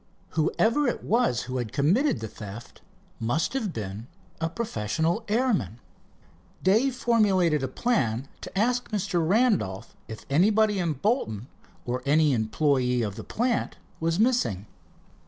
Whoever it was who had committed the theft must have been a professional airman. Dave formulated a plan to ask Mr. Randolph if anybody in Bolton, or any employee of the plant was missing.